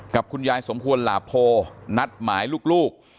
กับคุณยายสมควรหลาโพนัดหมายลูก